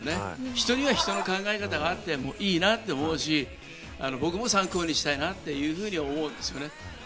人には人の考え方があってもいいなと思うし、僕も参考にしたいなというふうに思うんですよね。